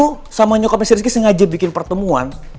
bokap lo sama nyokapnya si rizky sengaja bikin pertemuan